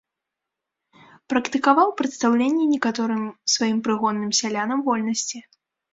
Практыкаваў прадстаўленне некаторым сваім прыгонным сялянам вольнасці.